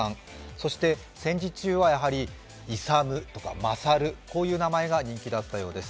そして戦時中は勇とか勝という名前が人気だったようです。